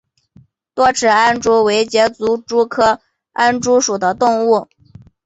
多齿安蛛为栉足蛛科安蛛属的动物。